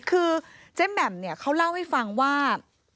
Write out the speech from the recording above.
คือเจ๊แม่มเขาเล่าให้ฟังว่า